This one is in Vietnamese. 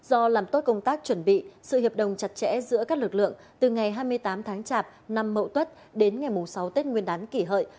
do làm tốt công tác chuẩn bị sự hiệp đồng chặt chẽ giữa các lực lượng từ ngày hai mươi tám tháng chạp năm mậu tuất đến ngày sáu tết nguyên đán kỷ hợi